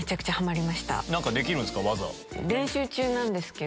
練習中なんですけど。